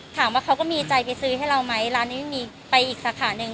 ถามว่าเขาก็มีใจไปซื้อให้เราไหมร้านนี้ไม่มีไปอีกสาขาหนึ่ง